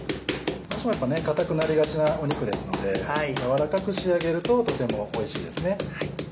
どうしてもやっぱね硬くなりがちな肉ですので軟らかく仕上げるととてもおいしいですね。